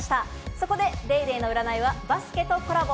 そこで『ＤａｙＤａｙ．』の占いはバスケとコラボ。